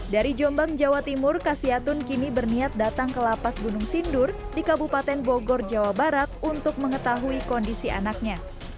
dari jombang jawa timur kasiatun kini berniat datang ke lapas gunung sindur di kabupaten bogor jawa barat untuk mengetahui kondisi anaknya